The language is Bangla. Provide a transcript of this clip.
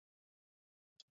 যাতে আরবি লিপি ব্যবহৃত হতো।